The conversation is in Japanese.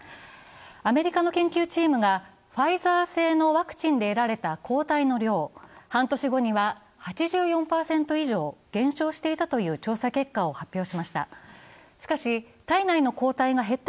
アメリカの研究チームがファイザー製のワクチンで得られた抗体の量半年後には８４％以上減少していたという調査結果を発表しました。